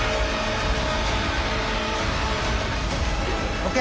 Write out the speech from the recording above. ＯＫ？